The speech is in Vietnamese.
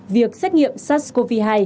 việc xét nghiệm sars cov hai